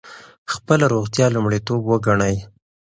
خپله روغتیا لومړیتوب وګڼئ.